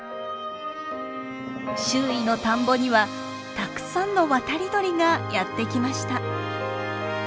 周囲の田んぼにはたくさんの渡り鳥がやって来ました。